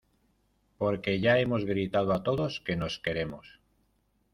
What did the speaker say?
porque ya hemos gritado a todos que nos queremos